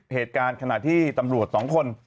เหตุการณ์ขณะที่ตำรวจสองคน